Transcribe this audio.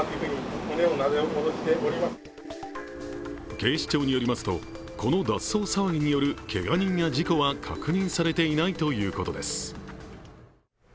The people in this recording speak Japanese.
警視庁によりますとこの脱走騒ぎによるけが人や事故は確認されていないということです。